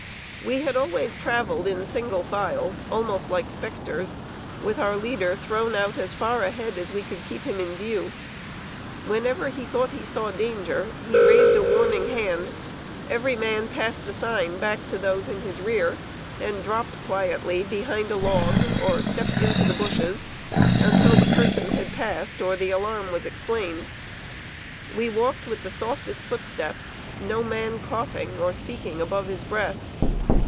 We had always traveled in single file, almost like specters, with our leader thrown out as far ahead as we could keep him in view. Whenever he thought he saw danger, he raised a warning hand; every man passed the sign back to those in his rear, and dropped quietly behind a log, or stepped into the bushes, until the person had passed or the alarm was explained. We walked with softest footsteps, no man coughing, or speaking above his breath.